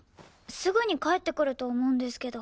すぐに帰ってくると思うんですけど。